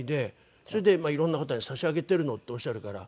「それで今いろんな方に差し上げてるの」っておっしゃるから。